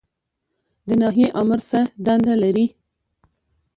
د ناحیې آمر څه دنده لري؟